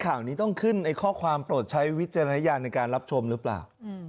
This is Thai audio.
ข่าวนี้ต้องขึ้นในข้อความโปรดใช้วิจารณญาณในการรับชมหรือเปล่า